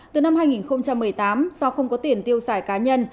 từ năm hai nghìn một mươi tám do không có tiền tiêu xài cá nhân